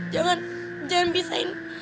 jangan jangan pisahin